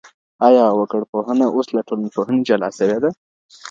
آیا وګړپوهنه اوس له ټولنپوهني جلا سوې ده؟